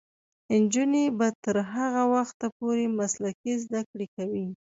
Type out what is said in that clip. نجونې به تر هغه وخته پورې مسلکي زدکړې کوي.